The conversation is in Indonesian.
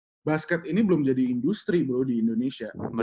nah basket ini belum jadi industri bro di indonesia